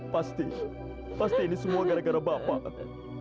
pasti pasti ini semua gara gara bapak